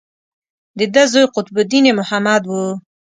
د ده زوی قطب الدین محمد و.